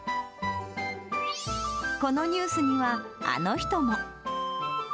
このニュースには、あの人も。